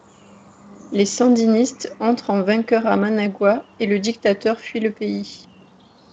Les sandinistes entrent en vainqueurs à Managua et le dictateur fuit le pays.